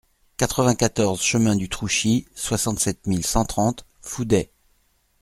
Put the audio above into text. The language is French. quatre-vingt-quatorze chemin du Trouchy, soixante-sept mille cent trente Fouday